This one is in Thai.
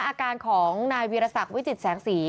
อาการของนายวีรศักดิ์วิจิตแสงสี